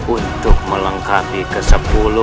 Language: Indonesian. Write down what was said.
untuk melengkapi ke sepuluh